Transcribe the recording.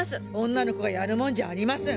女の子がやるもんじゃありません。